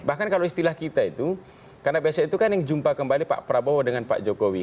bahkan kalau istilah kita itu karena besok itu kan yang jumpa kembali pak prabowo dengan pak jokowi